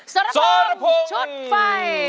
สรภงชุดไฟ